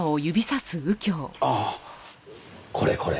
ああこれこれ。